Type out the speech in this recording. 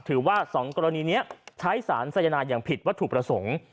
ว่า๒กรณีนี้ใช้สารสายนายอย่างผิดวัตถุประสงค์